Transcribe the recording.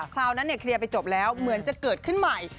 คราวนั้นเคลียร์ไปจบแล้วเหมือนจะเกิดขึ้นใหม่